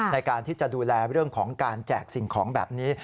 ในการที่จะดูแลเรื่องของการแจกสิ่งของแบบนี้